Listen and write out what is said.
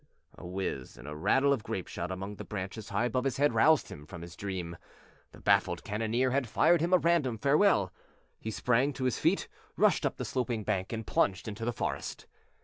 A whiz and rattle of grapeshot among the branches high above his head roused him from his dream. The baffled cannoneer had fired him a random farewell. He sprang to his feet, rushed up the sloping bank, and plunged into the forest.